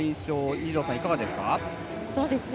二條さん、いかがですか。